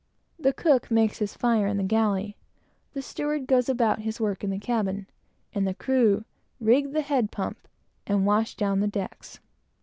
The cook makes his fire in the galley; the steward goes about his work in the cabin; and the crew rig the head pump, and wash down the decks.